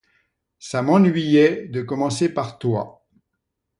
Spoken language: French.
ça m'ennuyait de commencer par toi.